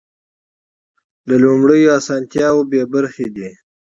له لومړیو اسانتیاوو بې برخې دي.